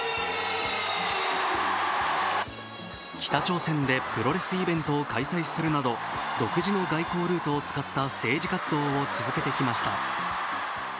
北朝鮮でプロレスイベントを開催するなど独自の外交ルートを使った政治活動を続けてきました。